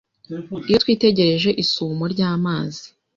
iyo twitegereje isumo ry’amazi